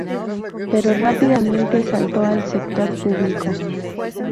Pero rápidamente saltó al sector público.